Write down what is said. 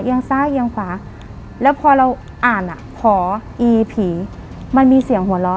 เอียงซ่าเอียงขวาแล้วพอเราอ่านอะผ่ออีผีมันมีเสียงหัวล้อ